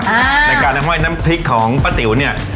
ในการห้อยน้ำพริกของป้าติ๋วเนี่ย